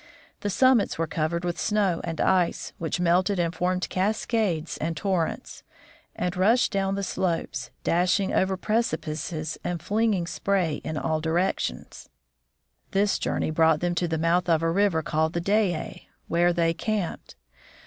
The summits were covered with snow and ice, which melted and formed cascades and torrents, and rushed down the slopes, dashing over precipices and fling ing spray in all directions. 96 THE FROZEN NORTH This journey brought them to the mouth of a river called the Dayay, where they camped.